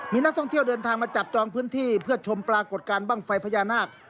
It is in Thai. มีนักท่องเที่ยวเดินทางมาจับจองพื้นที่เพื่อชมปรากฏการณ์บ้างไฟพญานาค